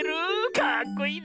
かっこいいね！